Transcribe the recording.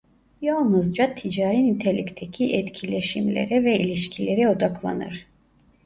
Yalnızca ticari nitelikteki etkileşimlere ve ilişkilere odaklanır.